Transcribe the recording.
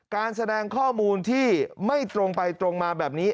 การแสดงข้อมูลที่ไม่ตรงไปตรงมาแบบนี้